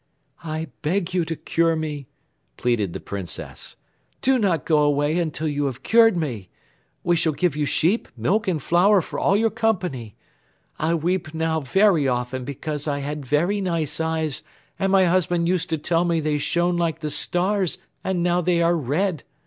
"I beg you to cure me," pleaded the Princess. "Do not go away until you have cured me. We shall give you sheep, milk and flour for all your company. I weep now very often because I had very nice eyes and my husband used to tell me they shone like the stars and now they are red.